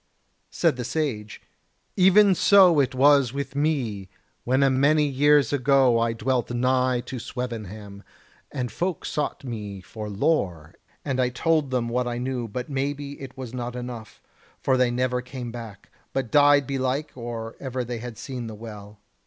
Said the Sage: "Even so it was with me, when a many years ago I dwelt nigh to Swevenham, and folk sought to me for lore, and I told them what I knew; but maybe it was not enough, for they never came back; but died belike or ever they had seen the Well.